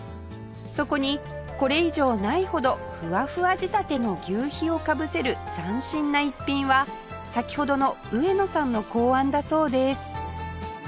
そこにこれ以上ないほどふわふわ仕立ての求肥をかぶせる斬新な逸品は先ほどの上野さんの考案だそうです